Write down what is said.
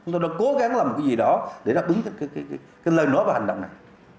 tôi đã cố gắng làm một cái gì đó để đáp ứng cái lời nói và hành động này